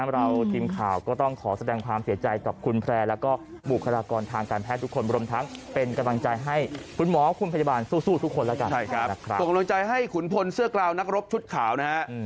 เราทีมข่าวก็ต้องขอแสดงความเสียใจกับคุณแพร่และก็บุคลากรทางการแพทย์ทุกคน